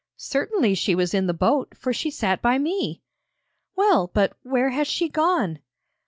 'Certainly she was in the boat, for she sat by me!' 'Well, but where has she gone?'